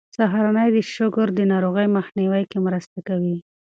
سهارنۍ د شکر ناروغۍ مخنیوی کې مرسته کوي.